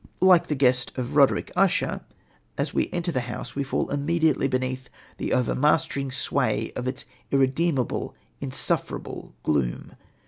Like the guest of Roderick Usher, as we enter the house we fall immediately beneath the overmastering sway of its irredeemable, insufferable gloom.